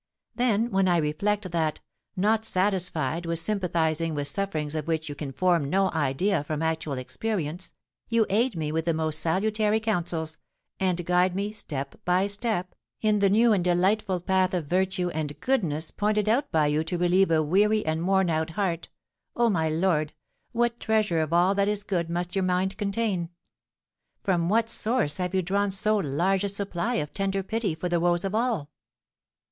Then, when I reflect that, not satisfied with sympathising with sufferings of which you can form no idea from actual experience, you aid me with the most salutary counsels, and guide me, step by step, in the new and delightful path of virtue and goodness pointed out by you to relieve a weary and worn out heart, oh, my lord, what treasure of all that is good must your mind contain! From what source have you drawn so large a supply of tender pity for the woes of all?"